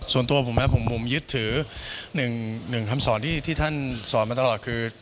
ส่วนตัวผมนะครับผมยึดถือ๑คำสอนที่ท่านสอนมาตลอดคือ